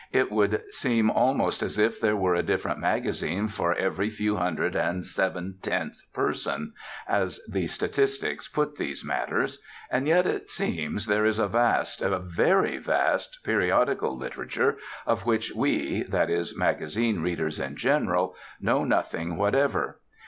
It would seem almost as if there were a different magazine for every few hundred and seven tenth person, as the statistics put these matters. And yet, it seems, there is a vast, a very vast, periodical literature of which we, that is, magazine readers in general, know nothing whatever.